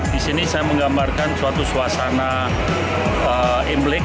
di sini saya menggambarkan suatu suasana imlek